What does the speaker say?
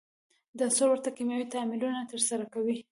دا عنصرونه ورته کیمیاوي تعاملونه ترسره کوي.